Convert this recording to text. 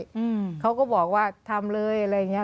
อืมเขาก็บอกว่าทำเลยอะไรอย่างเงี้